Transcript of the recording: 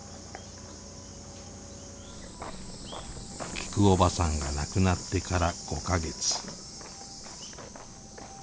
きくおばさんが亡くなってから５か月。